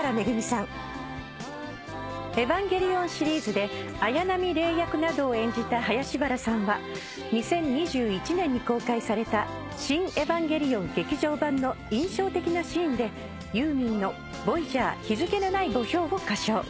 ［『エヴァンゲリオン』シリーズで綾波レイ役などを演じた林原さんは２０２１年に公開された『シン・エヴァンゲリオン劇場版』の印象的なシーンでユーミンの『ＶＯＹＡＧＥＲ日付のない墓標』を歌唱］